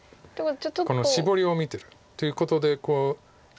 このシボリを見てる。ということで切り方が。